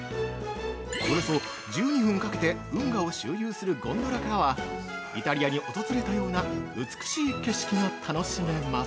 およそ２分かけて運河を周遊するゴンドラからはイタリアに訪れたような美しい景色が楽しめます。